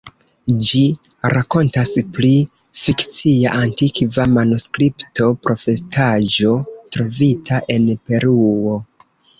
Ĝi rakontas pri fikcia antikva manuskripto, profetaĵo trovita en Peruo.